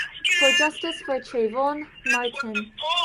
For justice for Trayvon Martin.